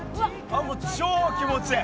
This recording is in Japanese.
もう超気持ちいい！